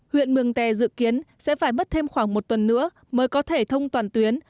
huyện mường tè dự kiến sẽ phải mất thêm khoảng một tuần nữa mới có thể thông toàn tuyến